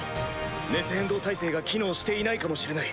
熱変動耐性が機能していないかもしれない。